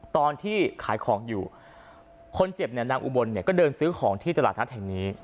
ตอนที่ขายของอยู่คนเจ็บเนี่ยนางอุบลเนี่ยก็เดินซื้อของที่ตลาดนัดแห่งนี้